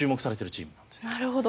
なるほど。